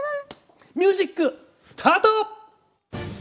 ミュージックスタート！